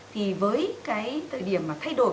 thì với cái thời điểm mà thay đổi